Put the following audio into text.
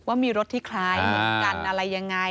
ว่ามีรถที่คล้ายเหมือนกันอะไรยังไง